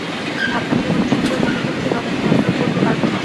ভাবতাম জীবনের সুন্দর মুহূর্তগুলি কখনই অনুভব করতে পারব না।